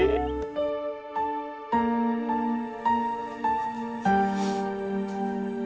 ke tempat yang lain